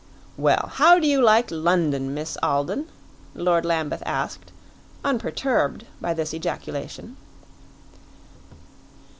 "Well, how do you like London, Miss Alden?" Lord Lambeth asked, unperturbed by this ejaculation.